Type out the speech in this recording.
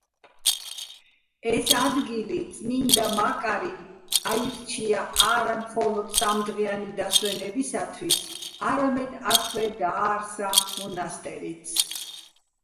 ეს ადგილი წმინდა მაკარიმ აირჩია არა მხოლოდ სამდღიანი დასვენებისათვის, არამედ აქვე დააარსა მონასტერიც.